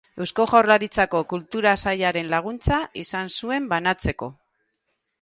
Eusko Jaurlaritzako Kultura Sailaren laguntza izan zuen banatzeko.